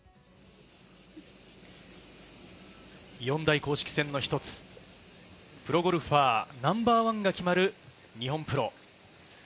四大公式戦のひとつ、プロゴルファーナンバーワンが決まる日本プロ。